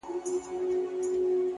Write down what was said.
• نوم مي د ليلا په لاس کي وليدی،